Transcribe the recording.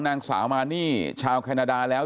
นางสาวมานี่ชาวแคนาดาแล้ว